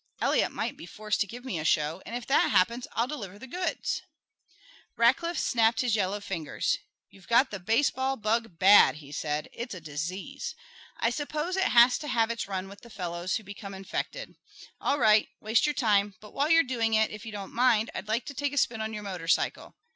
Eliot might be forced to give me a show, and if that happens I'll deliver the goods " Rackliff snapped his yellow fingers. "You've got the baseball bug bad," he said. "It's a disease. I suppose it has to have its run with the fellows who become infected. All right, waste your time; but while you're doing it, if you don't mind, I'd like to take a spin on your motorcycle.